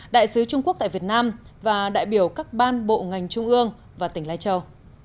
đại sứ trung quốc tại việt nam và đại biểu các ban bộ ngành trung ương và tỉnh lai châu